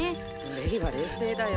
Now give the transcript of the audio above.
れいは冷静だよ。